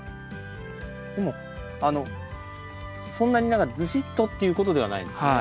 でもあのそんなに何かズシッとっていうことではないんですね。